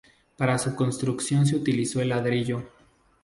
Para su construcción se utilizó el ladrillo.